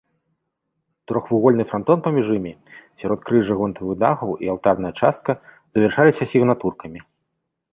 Трохвугольны франтон паміж імі, сяродкрыжжа гонтавых дахаў і алтарная частка завяршаліся сігнатуркамі.